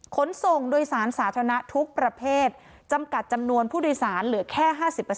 ขนส่งโดยสารสาธารณะทุกประเภทจำกัดจำนวนผู้โดยสารเหลือแค่๕๐